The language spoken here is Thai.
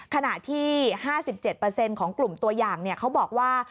ขณะที่๕๗ของกลุ่มตัวอย่างเขาบอกว่า